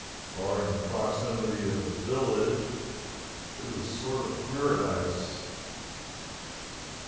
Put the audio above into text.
Barring the proximity of the village, it is a sort of paradise.